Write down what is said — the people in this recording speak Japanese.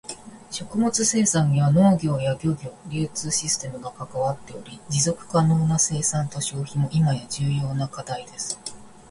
食物生産には農業や漁業、流通システムが関わっており、持続可能な生産と消費も今や重要な課題です。